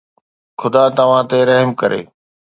خدا توهان تي رحم ڪري.